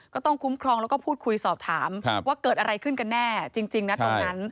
ก็ต้องคุ้มครองแล้วก็พูดคุยสอบถามว่าเกิดอะไรขึ้นกันแน่จริงนะตรงนั้น